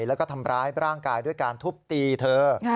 แล้วก็ทำร้ายร่างกายด้วยการทุบตีเธอ